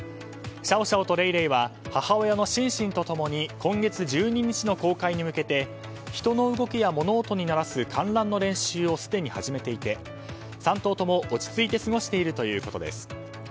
シャオシャオとレイレイは母親のシンシンと共に今月１２日の公開に向けて人の動きや物音に慣らす観覧の練習をすでに始めていて３頭とも落ち着いて過ごしているということです。